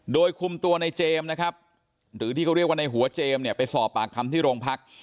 โดยคุมตัวในเจมส์นะครับหรือที่เขาเรียกว่าในหัวเจมส์เนี่ยไปสอบปากคำที่โรงพัก